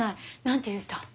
何て言うたん？